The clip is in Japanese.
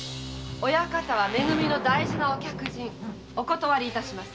親方は「め組」の大事なお客人お断り致します！